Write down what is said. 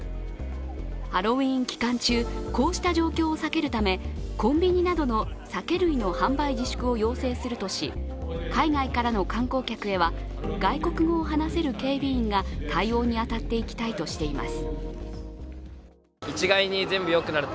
ハロウィーン期間中、こうした状況を避けるためコンビニなどの酒類の販売自粛を要請するとし海外からの観光客へは外国語を話せる警備員が対応に当たっていきたいとしています。